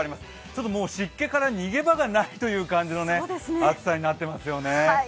ちょっと湿気から逃げ場がないという感じの暑さになっていますよね。